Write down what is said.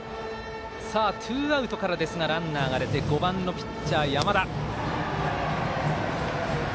ツーアウトからですがランナーが出て５番、ピッチャー、山田。